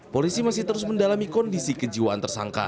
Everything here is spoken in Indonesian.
polisi masih terus mendalami kondisi kejiwaan tersangka